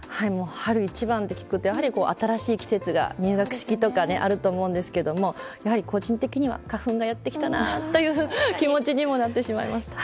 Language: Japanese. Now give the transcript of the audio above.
春一番と聞くと新しい季節が入学式とかあると思うんですけどやはり個人的には花粉がやってきたなという気持ちにもなってしまいます。